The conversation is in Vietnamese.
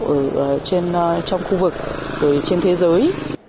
chúng tôi kết nối với các trường đào tạo trong khu vực trên thế giới